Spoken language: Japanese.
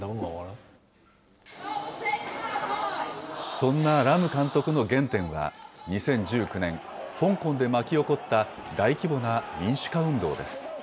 そんなラム監督の原点は２０１９年、香港で巻き起こった大規模な民主化運動です。